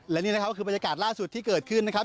และนี่นะครับก็คือบรรยากาศล่าสุดที่เกิดขึ้นนะครับ